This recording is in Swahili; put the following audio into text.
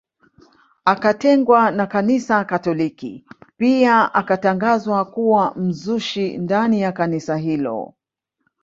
Akatengwa na kanisa katoliki pia akatangazwa kuwa mzushi ndani ya kanisa hilo